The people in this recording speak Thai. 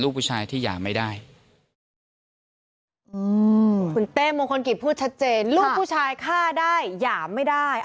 ลูกผู้ชายฆ่าได้หย่ามไม่ได้